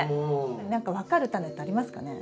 何か分かるタネってありますかね？